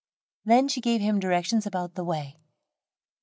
Then she gave him directions about the way.